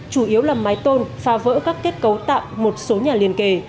chủ yếu là mái tôn phá vỡ các kết cấu tạm một số nhà liên kề